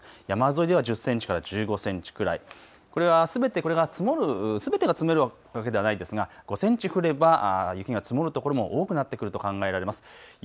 山沿いでは１０センチから１５センチくらい、これはすべてこれが積もる、積もるわけではないですが５センチ降れば雪が積もる所も多くなってくると考えられます。